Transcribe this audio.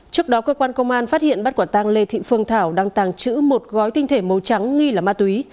trước đó cơ quan công an phát hiện bắt quả tàng lê thị phương thảo đang tàng trữ một gói tinh thể màu trắng nghi là ma túy